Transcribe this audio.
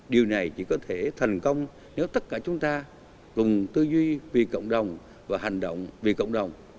điều này chỉ có thể thành công nếu tất cả chúng ta cùng tư duy vì cộng đồng và hành động vì cộng đồng